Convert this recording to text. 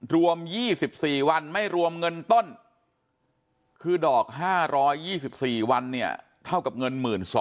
รวม๒๔วันไม่รวมเงินต้นคือดอก๕๒๔วันเนี่ยเท่ากับเงิน๑๒๐๐